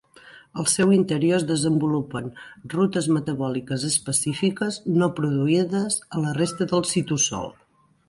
Al seu interior es desenvolupen rutes metabòliques específiques no produïdes a la resta del citosol.